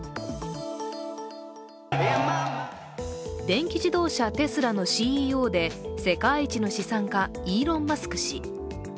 電気自動車テスラのＣＥＯで世界一の資産家、イーロン・マスク氏。